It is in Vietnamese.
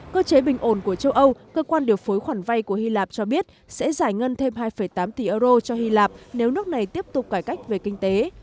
cơ chế bình ổn của châu âu cơ quan điều phối khoản vay của hy lạp cho biết sẽ giải ngân thêm hai tám tỷ euro cho hy lạp nếu nước này tiếp tục cải cách về kinh tế